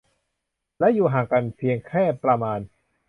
และอยู่ห่างกันเพียงแค่ประมาณ